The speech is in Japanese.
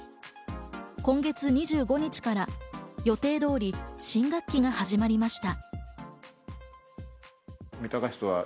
今月２５日から予定通り新学期が始まりました。